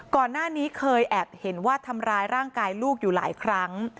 ก่อนหน้านี้เคยแอบเห็นว่าทำร้ายร่างกายลูกอยู่หลายครั้ง